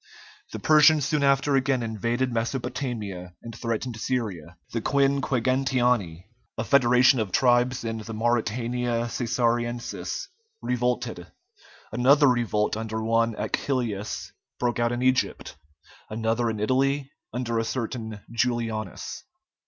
The Persians soon after again invaded Mesopotamia and threatened Syria; the Quinquegentiani, a federation of tribes in the Mauritania Cæsariensis, revolted; another revolt under one Achillæus broke out in Egypt; another in Italy under a certain Julianus.